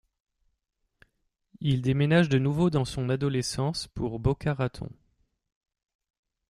Il déménage de nouveau dans son adolescence pour Boca Raton.